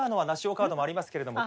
カードもありますけれども。